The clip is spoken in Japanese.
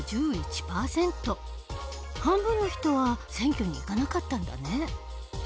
半分の人は選挙に行かなかったんだね。